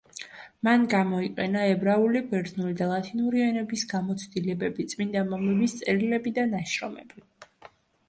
მან გამოიყენა ებრაული, ბერძნული და ლათინური ენების გამოცდილებები, „წმინდა მამების“ წერილები და ნაშრომები.